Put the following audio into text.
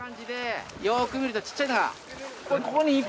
よく見るとちっちゃいのが。